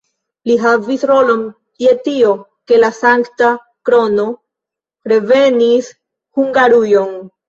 Li havis rolon je tio, ke la Sankta Krono revenis Hungarujon.